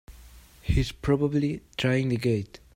He's probably trying the gate!